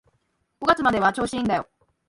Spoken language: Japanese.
五月までは調子いいんだよ